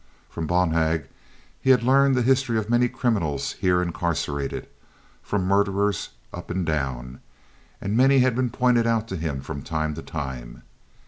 From Bonhag he had learned the history of many criminals here incarcerated, from murderers up and down, and many had been pointed out to him from time to time.